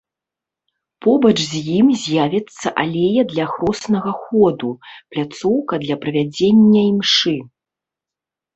Побач з ім з'явіцца алея для хроснага ходу, пляцоўка для правядзення імшы.